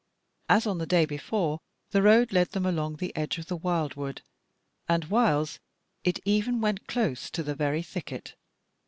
As on the day before the road led them along the edge of the wildwood, and whiles it even went close to the very thicket.